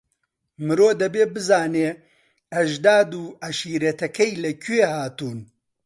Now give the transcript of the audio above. مرۆ دەبێ بزانێ ئەژداد و عەشیرەتەکەی لەکوێ هاتوون.